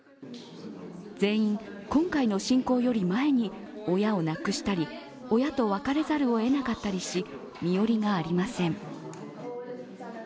全員、今回の侵攻より前に親を亡くしたり親と別れざるをえなかったりし身寄りがありません。